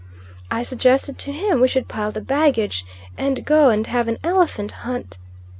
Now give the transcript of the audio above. I suggested to him we should pile the baggage, and go and have an elephant hunt.